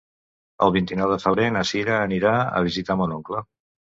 El vint-i-nou de febrer na Sira anirà a visitar mon oncle.